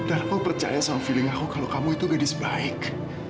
dan aku percaya sama feeling aku kalau kamu itu gadis baik